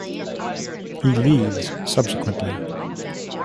He leaves subsequently.